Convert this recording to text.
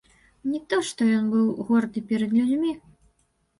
Не то што ён быў горды перад людзьмі.